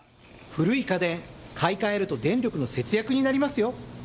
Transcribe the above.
古い家電、買い替えると電力の節約になりますよ。